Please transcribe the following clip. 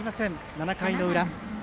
７回の裏。